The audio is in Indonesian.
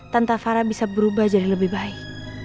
tanpa farah bisa berubah jadi lebih baik